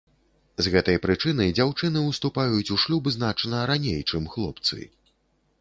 З гэтай прычыны дзяўчыны ўступаюць у шлюб значна раней, чым хлопцы.